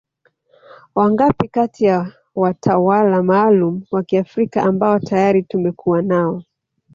Wangapi kati ya watawala maalum wa Kiafrika ambao tayari tumekuwa nao